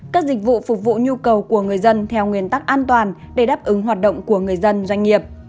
các dịch vụ phục vụ nhu cầu của người dân theo nguyên tắc an toàn để đáp ứng hoạt động của người dân doanh nghiệp